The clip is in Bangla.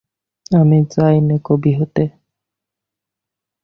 আমি চাই নে কবি হতে।